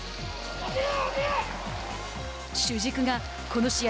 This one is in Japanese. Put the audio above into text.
主軸がこの試合